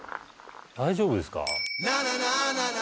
大丈夫ですか？